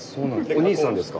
お兄さんですか？